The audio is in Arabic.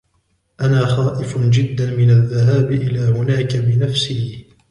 أنا خائف جداً من الذهاب إلى هناك بنفسي.